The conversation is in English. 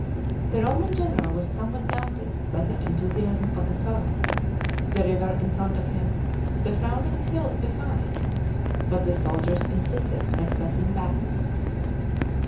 The Roman general was somewhat daunted by the enthusiasm of the foe, the river in front of him, the frowning hills behind, but the soldiers insisted on accepting battle.